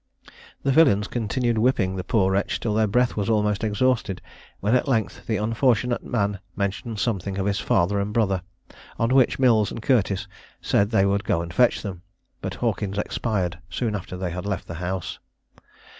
The villains continued whipping the poor wretch till their breath was almost exhausted, when at length the unfortunate man mentioned something of his father and brother; on which Mills and Curtis said they would go and fetch them; but Hawkins expired soon after they had left the house.